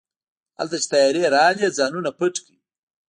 هلته چې طيارې راغلې ځانونه پټ کړئ.